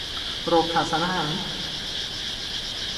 โรคขาดสารอาหาร